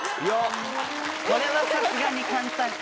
これはさすがに簡単か。